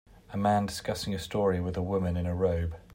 A man discussing a story with a woman in a robe.